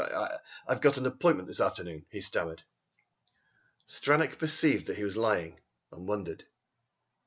I I've got an appointment this afternoon," he stammered. Stranack perceived that he was lying, and wondered.